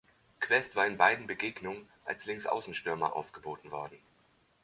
Quest war in beiden Begegnung als Linksaußenstürmer aufgeboten worden.